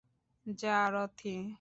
যা, রথি।